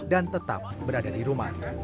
dan tetap berada di rumah